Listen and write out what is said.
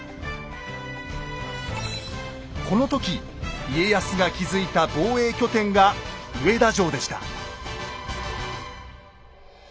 この時家康が築いた防衛拠点が上田城でした。